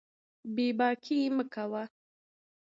بې باکي مه کوئ.